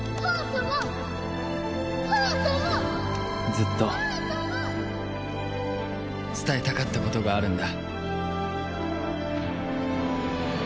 ずっと伝えたかったことがあるんだ。